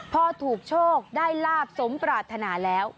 พอถูกโชคได้ลาบสมปรารถนาแล้ว